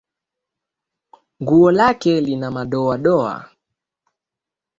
Nguo lake lina madoadoa